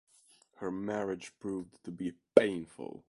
Her marriage proved to be painful.